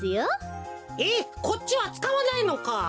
えっこっちはつかわないのか。